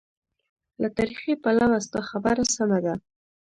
له تاریخي پلوه ستا خبره سمه ده.